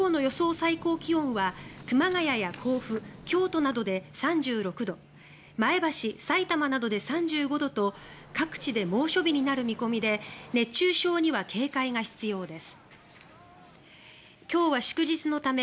最高気温は熊谷や甲府、京都などで３６度前橋、さいたまなどで３５度と各地で猛暑日となる見込みで熱中症には警戒が必要です。